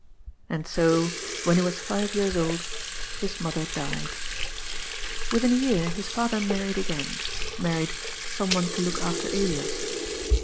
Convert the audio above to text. And so, when he was five years old, his mother died. Within a year his father married again — ^married ^ someone to look after Elias."